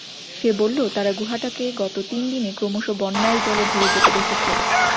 সে বলল তারা গুহাটাকে গত তিন দিনে ক্রমশ বন্যার জলে ভরে যেতে দেখেছে।